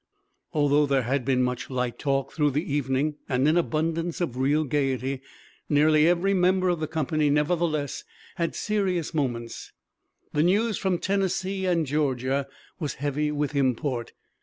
Although there had been much light talk through the evening and an abundance of real gayety, nearly every member of the company, nevertheless, had serious moments. The news from Tennessee and Georgia was heavy with import.